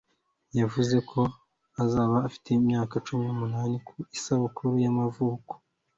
Yavuze ko azaba afite imyaka cumi numunani ku isabukuru yamavuko